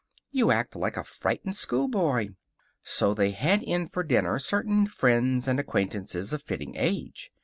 You act like a frightened schoolboy." So they had in for dinner certain friends and acquaintances of fitting age.